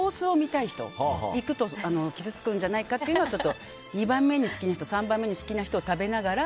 いくと傷つくんじゃないかっていうのはちょっと、２番目に好きな人３番目に好きな人を食べながら。